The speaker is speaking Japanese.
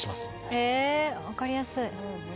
へぇ分かりやすい。